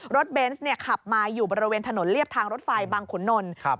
เบนส์เนี่ยขับมาอยู่บริเวณถนนเรียบทางรถไฟบางขุนนล